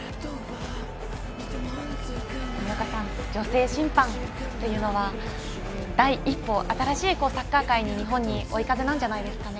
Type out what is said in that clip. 森岡さん、女性審判というのは第一歩、新しいサッカー界に日本に追い風なんじゃないですかね。